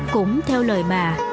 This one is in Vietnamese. cũng theo lời bà